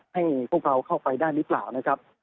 ให้พวกเราเข้าไปได้หรือเปล่านะครับ